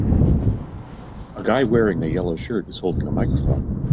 A guy wearing a yellow shirt is holding a microphone.